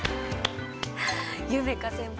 夢叶先輩